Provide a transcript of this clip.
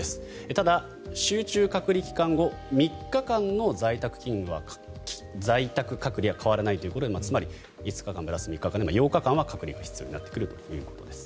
ただ集中隔離期間後３日間の在宅隔離は変わらないということでつまり５日間プラス３日間で８日間は隔離が必要になってくるということです。